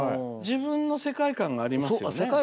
自分の世界観がありますよね。